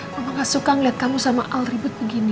mama gak suka ngeliat kamu sama al ribet begini